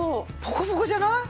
ポカポカじゃない？